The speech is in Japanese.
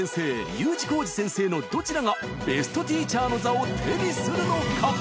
Ｕ字工事先生のどちらがベストティーチャーの座を手にするのか？